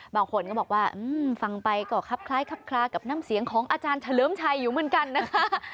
บางคนก็บอกว่าฟังไปก็ครับคล้ายคับคลากับน้ำเสียงของอาจารย์เฉลิมชัยอยู่เหมือนกันนะคะ